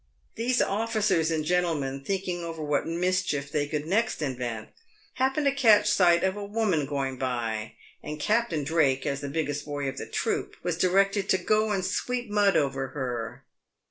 These officers and gentlemen, thinking over what mischief they could next invent, happened to catch sight of a woman going by, and Captain Drake, as the biggest boy of the troop, was directed to " go and sweep mud over her."